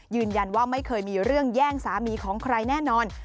ไม่เคยมีเรื่องแย่งสามีของใครแน่นอน